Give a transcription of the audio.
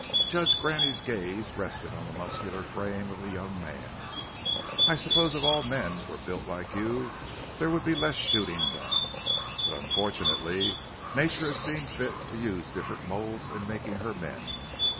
Judge Graney's gaze rested on the muscular frame of the young man. "I suppose if all men were built like you there would be less shooting done. But unfortunately nature has seen fit to use different molds in making her men.